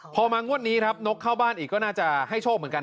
พอมางวดนี้ครับนกเข้าบ้านอีกก็น่าจะให้โชคเหมือนกัน